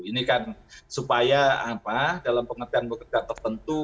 ini kan supaya dalam pengertian pengertian tertentu